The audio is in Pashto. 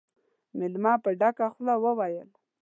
مېلمه په ډکه خوله وويل: